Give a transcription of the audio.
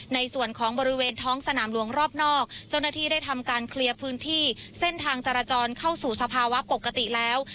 ในส่วนของบริเวณท้องสนามหลวงรอบนอกเจ้าหน้าที่ได้ทำการเคลียร์พื้นที่เส้นทางจราจรเข้าสู่สภาวะปกติแล้ว